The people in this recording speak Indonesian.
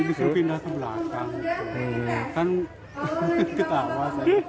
disuruh pindah ke belakang